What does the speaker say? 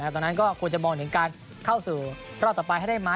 ตอนนั้นก็ควรจะมองถึงการเข้าสู่รอบต่อไปให้ได้ไหม